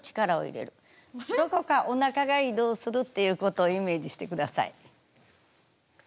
どこかおなかが移動するっていうことをイメージしてください。